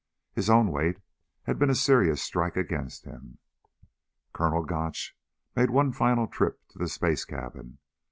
His own weight had been a serious strike against him. Colonel Gotch made one final trip to the space cabin.